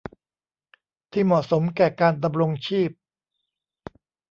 ที่เหมาะสมแก่การดำรงชีพ